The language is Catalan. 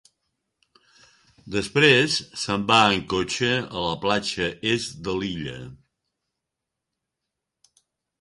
Després se'n va en cotxe a la platja est de l'illa.